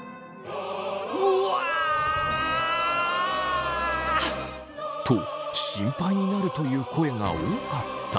うわ！と心配になるという声が多かった。